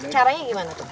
caranya gimana tuh